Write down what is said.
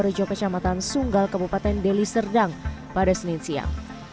rejo kecamatan sunggal kabupaten deli serdang pada senin siang